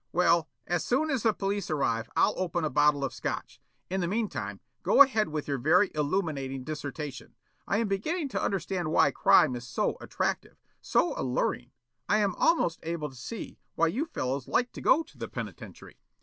"Well, as soon as the police arrive I'll open a bottle of Scotch. In the meantime go ahead with your very illuminating dissertation. I am beginning to understand why crime is so attractive, so alluring. I am almost able to see why you fellows like to go to the penitentiary."